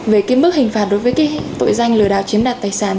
về cái mức hình phạt đối với cái tội danh lừa đảo chiếm đoạt tài sản